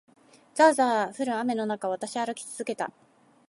ざあざあ降る雨の中を、私は歩き続けた。